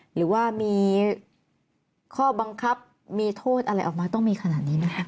หรือว่ามีข้อบังคับมีโทษอะไรออกมาต้องมีขนาดนี้ไหมคะ